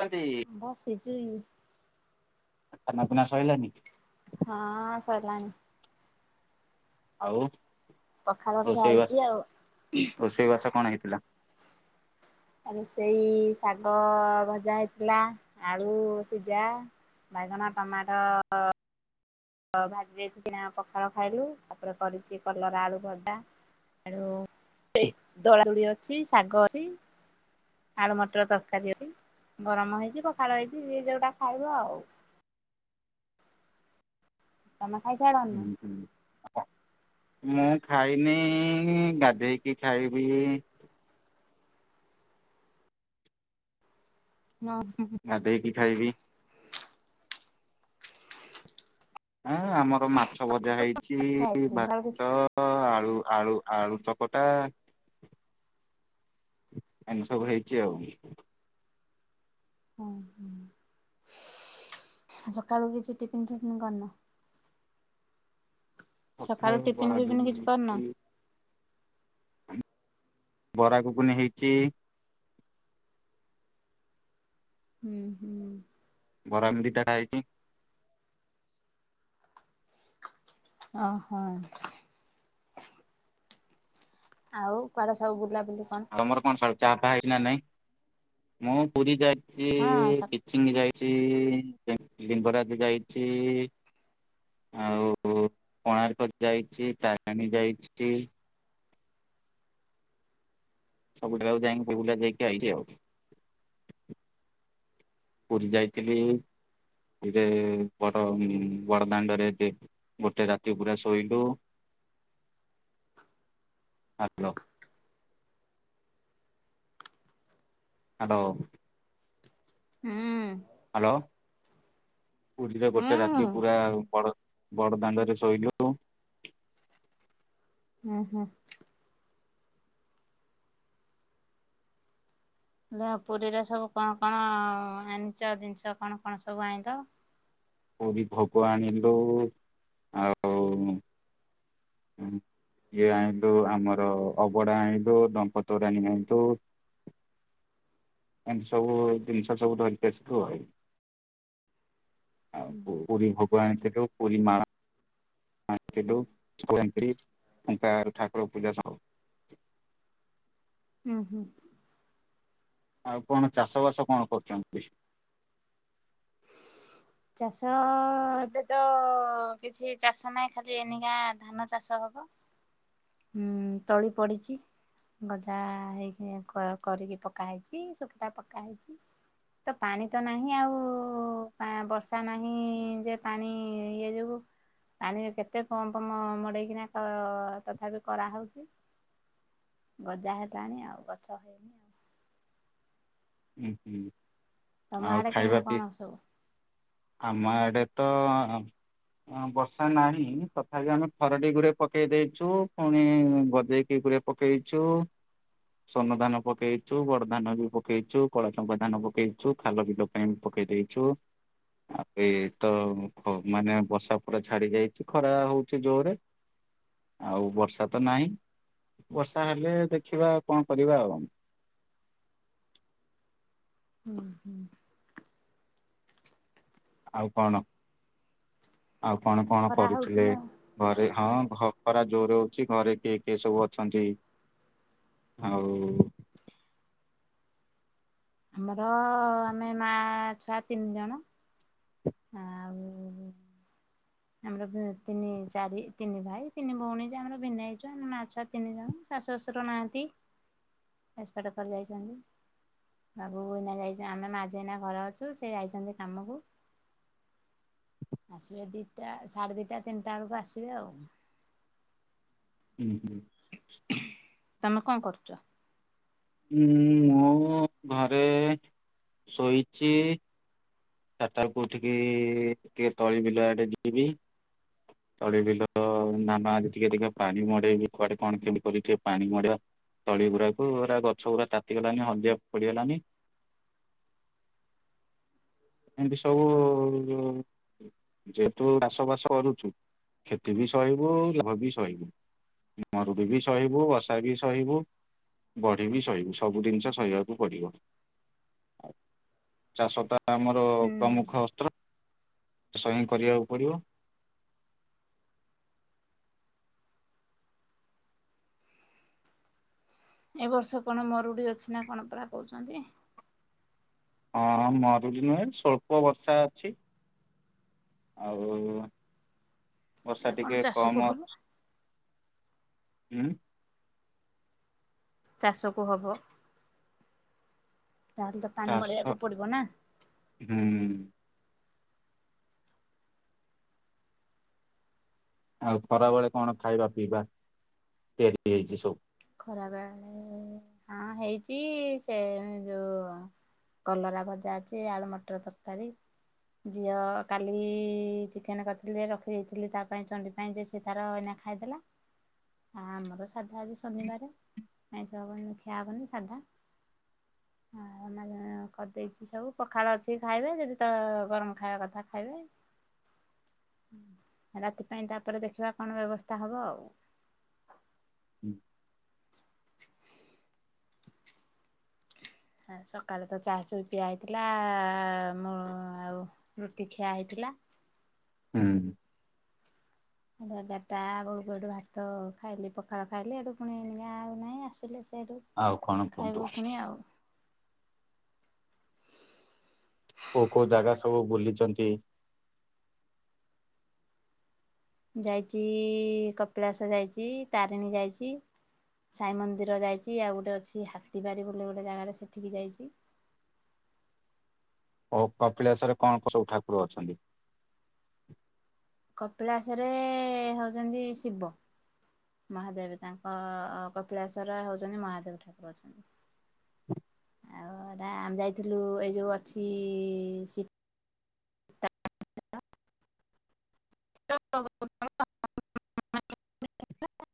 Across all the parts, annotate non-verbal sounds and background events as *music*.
ସୁକାନ୍ତି ବସିଛୁ ଆ ଖାନା ପିନା ସଇଲାନି? ହଁ ସଇଲାଣି। ଆଉ ପଖାଳ ଖିଆ ହେଇଛି ରୋଷେଇବାସ ଆଉ। ରୋଷେଇବାସ କଣ ହେଇଥିଲା? ଆ ରୋଷଇ ଶାଗ ଭଜା ହେଇଥିଲା ଆଳୁ ସିଜା। ବାଇଗଣ, ଟମାଟ ତ ଭାଜି କି କିିନା ପଖାଳ ଖାଇଲୁ ତାପରେ କରିଚି କଲରା ଆଳୁ ଭଜା। ଆଳୁ ସେଇ ଦଳା ଦୁଳି ଅଛି ସାଗ ଅଛି। ଆଳୁ ମଟର ତରକାରୀ ଅଛି ଗରମ ହେଇଚି ପଖାଳ ହେଇଚି ଯିଏ ଯଉଟା ଖାଇବ ଆଉ। ତମେ ଖାଇସାଇଲଣି ନା? ହୁଁ ମୁଁ ଖାଇନି ଗାଧେଇକି ଖାଇବି। ନ ହୁଁ ହୁଁ ଗାଧେଇକି ଖାଇବି। ହଁ ଆମର ମାଛ ଭଜା ହେଇଚି ଭାତ ତ ଆଳୁ ଆଳୁ ଆଳୁ ଚକଟା। ଏମତି ସବୁ ହେଇଚି ଆଉ। ଓ ହ ଆ ସକାଳୁ କିଛି ଟିଫିନ୍ ଫିପିନ୍ କରିନ ସକାଳୁ ଟିଫିିନ୍ ବରା ଫିଫିିନ୍ ଘୁଗୁନି କିଛି କରିନ? ହେଇଛି ବରା, ଘୁଗୁନି ହେଇଚି। ହୁଁ ହୁଁ। ବରା ମୁ ଦିଇଟା ଖାଇଚି। ଅଁ ହଁ। ଆଉ କୁଆଡେ ସବୁ ବୁଲାବୁଲି କଣ ତମର କଣ ସଳ ଚାହା ପାହା ହେଇଚି ନା ନାଇଁ ମୁ ପୁରୀ ଯାଇଚି ହଁ ସ ଦି ଚିନି ଯାଇଚି ବାକି ଲିଙ୍ଗରାଜ ଯାଇଚି। ଆଉ କୋଣାର୍କ ଯାଇଛି ତାରିଣୀ ଯାଇଛି। ସବୁ ଯାଗା ଯାଇଁକି *unintelligible* ବୁଲା ଯାଇକି ଆଇଲି ଆଉ। ପୁରୀ ଯାଇଥିଲି ଧିରେ ବଡ ବଡଦାଣ୍ଡରେ ରେ ଗୋଟେ ରାତି ପୁରା ଶୋଇଲୁ। ହାଲୋ ହାଡ ହୁଁ। ହାଲୋ ପୁରୀରେ ହୁଁ ଗୋଟେ ରାତି ପୁରା ବଡ ବଡ ଦାଣ୍ଡରେ ଶୋଇଲୁ। ହୁଁ ହୁଁ ଲ ପୁରୀରେ ସବୁ କଣ କଣ ଆଣିଚ ଜିନିଷ କଣ କଣ ସବୁ ଆଇଁଲ? ପୁରୀ ଭୋଗ ଆଣିଲୁ ଆଉ ହୁଁ ଇଏ ଆଣିଲୁ ଆମର ଅବଡା ଆଣିଲୁ ଡଙ୍କ ତୋରାଣୀ ଆଣିଲୁ ଏମି ସବୁ ଜିନିଷ ସବୁ ଧରିକି ଆସିଲୁ ଆଉ। ଆଉ ପୁ ପୁରୀ ଭୋଗ ଆଣିଥିଲୁ ପୁରୀ ମାଣ। ଆଣିଥିଲୁ ଚନ୍ଦନ ପେଡି, ଶଙ୍ଖା ଠାକୁର ପୂଜା ସହ ହୁଁ ହୁଁ। ଆଉ କଣ ଚାଷ ବାସ କଣ କରୁଛନ୍ତି। କଣ ଖଵର ଚାଷ ଏବେ ତ କିଛି ଚାଷ ନାହିଁ ଖାଲି ଏନିକା ଧାନ ଚାଷ ହବ। ହୁଁ ତଳି ପଡିଛି। ଗଜା ହେଇକି କରିକି ପକା ହେଇଛି ସୁଖିଲା ପକା ହେଇଛି। ତ ପାଣି ତ ନାହିଁ ଆଉ ବର୍ଷା ନାହିଁ ଯେ ପାଣି ଇଏ ଯୋଗୁ ପାଣି କେତେ କମ୍ପ ମଡେଇକିନା ତଥାପି କରାହଉଛି। ଗଜା ହେଲାଣି ଆଉ ଗଛ ଆଉ ହୁଁ ହୁଁ ତମ ଆଉ ଆଡେ କେଣ ଖାଇବା କଣ ପିଇ ସବୁ? ଆମ ଆଡ଼େ ତ ବର୍ଷା ନାହିଁ ତଥାପି ଆମେ ଖରଡ଼ି ଗୋରେ ପକେଇ ଦେଇଛୁ ପୁଣି ଗଜେଇକି ଗୁରେ ପକେଇଛୁ ସୋନ ଧାନ ପକେଇଛୁ ବଡ ଧାନ ବି ପକେଇଛୁ। କଲାଚପା ଧାନ ପକେଇଛୁ ଖାଲ ବିଲୋ ପାଇଁ ପକେଇ ଦେଇେଇଛୁ। ଆବେତ ମାନେ ବର୍ଷା ପୁରା ଛାଡି ଯାଇଛି ଖରା ହଉଛି ଜୋରରେ। ହର ଆଉ ବର୍ଷା ତ ନାହିଁ ବର୍ଷା ହେଲେ ଦେଖିବା କଣ କରିବା ଆଉ। ହୁଁ ହୁଁ। ଆଉ କଣ ଆଉ କଣ କଣ ଖରା ହଉଛି କରୁଥିଲେ। ନା ଘରେ ହଁ ଖରା ଜୋର ଅଉଛି ଘରେ କିଏ କିଏ ସବୁ ଅଛନ୍ତି। ଆଉ ଆମର ଆମେ ମା ଛୁଆ ତିନି ଜଣ ଆଉ ଆମର ତିନି ଚାରି ତିନି ଭାଇ ତିନି ଭଉଣୀ ଆମର ଭିନ୍ ହେଇଛୁ ଆମେ ମା ଛୁଆ ତିନି ଜଣ ଶାଶୁ ଶଶୁର ନାହାନ୍ତି ଏସପାଡେ କରି ଯାଇଛନ୍ତି। ବାବୁ ଏଇନା ଯାଇଛନ୍ତି ଆମେ ମା ଜିଅ ଏଇନା ଘର ଅଛୁ ସେ ଯାଇଛନ୍ତି କାମକୁ। ଆସିବେ ଦିଟା ସାଢେ ଦିଟା ତିନିଟା ବେଳକୁ ଆସିବେ ଆଉ। ହୁଁ ହୁଁ। ତମେ କଣ କରୁଛ। ଉୁଁ ମୁଁ ଘରେ ଶୋଇଛି। ଚାରିଟାକୁ ଉଠିକି ଟିକେ ତଳି ବିଲ ଆଡେ ଯିବି। ହର ତଳେ ବିଲ ନା ଟିକେ ଟିକେ ପାଣି ମଡେଇବି କୁଆଡେ କଣ କେରି କି ଟିକେ ପାଣି ମଡିବା। ତଳି ଗୁଡାକୁ ପୁରା ଗଛ ଗୁଡା ତାତିଗଲାନି ହଳ ଦିଆ ପଡିଗଲାନି। ରଥ ଏମିତି ସବୁ। ଯେହେତୁ ଚାଷ ବାସ କରୁଛୁ କ୍ଷତି ବି ସହିବୁ ଲାଭ ବି ସହିବୁ। ମରୁଡ଼ି ବି ସହିବୁ ବଷା ବି ସହିବୁ। ବଢ଼ିବି ସହିବ ସବୁ ଜିନିଷ ସହିବାକୁ ପଡ଼ିବ। ଚାଷ ଟା ଆମର ହୁଁ ପ୍ରମୁଖ ଅସ୍ତ୍ର। ସୟଂ କରିବାକୁ ପଡିବ। ଏ ବର୍ଷ କଣ ମରୁଡି ଅଛି ନା କଣ ପୁରା କହୁଛନ୍ତି। ହଁ ମରୁିଡି ନୁହେଁ ସ୍ୱଳ୍ପ ବର୍ଷା ଅଛି। ଆଉ ବର୍ଷା ସେ କଣ ଟିକେ ଚାଷକୁ କମ ହବ ଅଛି। ହୁଁ। ଚାଷକୁ ହବ। ତା ହେଲେ ତ ପାଣି ମଡ଼େଇବାକୁ ପଡ଼ିବ ନା। ହୁଁ-ଉଁ। ଆଉ ଖରାବେଳେ କଣ ଖାଇବା ପିଇବା ତିଆରି ହେଇଛି ସବୁ? ଖରା ବେ ହଁ ହେଇଚି ସେ ଯୋଉ କଲରା ଭଜା ଅଛି ଆଳୁ ମଟର ତରକାରୀ। ଝିଅ କାଲି ଚିକେନ୍ କରିଥିଲେ ରଖିଦେଇଥିଲି ତା ପାଇଁ ଚଣ୍ଡି ପାଇଁ ସେ ତାର ଏଇନା ଖାଇଦେଲା, ଆ- ଆମର ସାଧା ଆଜି। ଶନିବାର ଆଇଁସ ହବନି ଖିଆ ହେବନି ସାଧା। *unintelligible* କରିଦେଇଛି ସବୁ ପଖାଳ ଅଛି ଖାଇବେ ଯଦି ତ ଗରମ୍ ଖାଇବା କଥା ଖାଇବେ। ରାତି ପାଇଁ ତାପରେ ଦେଖିବା କଣ ବ୍ୟବସ୍ଥା ହବ ଆଉ। *unintelligible* ସକାଳେ ତ ଚାହା ଚଇ ପିଆ ହେଇଥିଲା *unintelligible* ମୁଁ ଆଉ ରୁଟି ଖିଆ ହେଇଥିଲା। ହୁଁଁ। ଏଗାର୍ ଟା ବେଳକୁ ଏଠୁ ଭାତ ଖାଇଲି ପଖାଳ ଖାଇଲି ଏଠୁ ପୁଣି ଏ ଆଉ ନାହିଁ ଆସିଲେ ସେଇଠୁ ଆଉ କଣ କୁହନ୍ତୁ? ଖାଇବୁ ପୁଣି ଆଉ। କୋଉ କୋଉ ଜାଗା ସବୁ ବୁଲିଚନ୍ତି? ଯାଇଛି-ଇ-ଇ କପିଳାସ ଯାଇଛି, ତାରିଣୀ ଯାଇଛି। ସାଇ ମନ୍ଦିର ଯାଇଚି ଆଉ ଗୋଟେ ଅଛି ହାତୀବାରି ବୋଲି ଗୋଟେ ଜାଗାରେ ସେଠିକି ଯାଇଚି। ଓ କପିଳାସ ରେ କଣ କଣ ସବୁ ଠାକୁର ଅଛନ୍ତି? କପିଳାସରେ-ଏଁ ହଉଛନ୍ତି ଶିବ। ମହାଦେବ୍ ତାଙ୍କ କପିଳାଶ୍ୱର ହଉଛନ୍ତି ମହାଦେବ୍ ଠାକୁର ଅଛନ୍ତି। ଆଉ ଏଟା ଆମେ ଯାଇଥିଲୁ ଏଇ ଯୋଉ ଅଛି-ଇ-ଇ *unintelligible* *inaudible*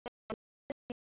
*inaudible*